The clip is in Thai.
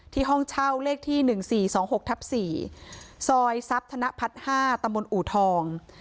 ที่ห้องเช่าเลขที่๑๔๒๖๔ซอยทรัพย์ภัทร๕ตำบลอู่ทอง